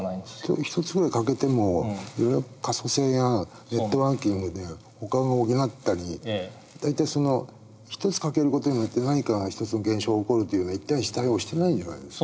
１つぐらい欠けても可塑性やネットワーキングでほかを補ったり大体その１つ欠ける事によって何かが一つの現象が起こるというのは１対１に対応してないんじゃないですか。